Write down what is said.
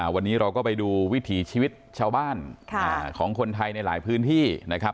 วันนี้เราก็ไปดูวิถีชีวิตชาวบ้านของคนไทยในหลายพื้นที่นะครับ